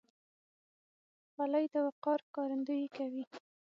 خولۍ د وقار ښکارندویي کوي.